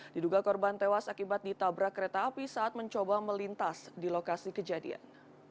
diduga korban tewas akibat ditabrak kereta api saat mencoba melintas di lokasi kejadian